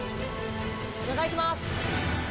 お願いします